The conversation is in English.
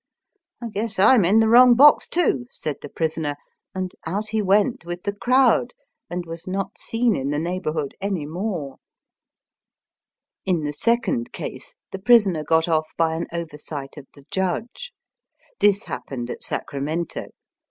I guess I'm in the wrong box, too," said the prisoner, and out he went with the crowd, and was not seenin the neighbourhood any more. Digitized by VjOOQIC ON THE EAILWAY CABS. 161 In the second case the prisoner got off by an oversight of the judge. This happened at Sacramento.